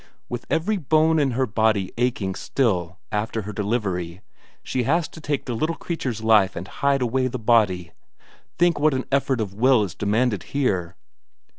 With every bone in her body aching still after her delivery, she has to take the little creature's life and hide away the body think what an effort of will is demanded here!